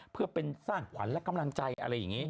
เพื่อเป็นสร้างขวัญและกำลังใจอะไรอย่างนี้